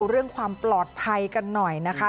เรื่องความปลอดภัยกันหน่อยนะคะ